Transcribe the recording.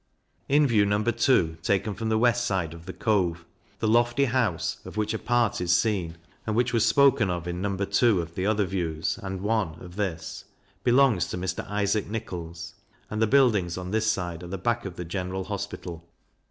In View, No. II. taken from the West side of the Cove, the lofty House of which a part is seen, and which was spoken of in No. II. of the other Views, and I. of this, belongs to Mr. Isaac Nichols; and the buildings on this side are the back of the General Hospital.